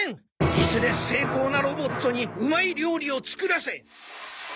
いずれ精巧なロボットにうまい料理を作らせ。